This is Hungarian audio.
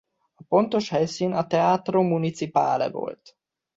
A pontos helyszín a Teatro Municipale volt.